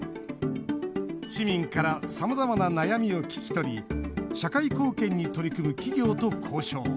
市民からさまざまな悩みを聞き取り社会貢献に取り組む企業と交渉。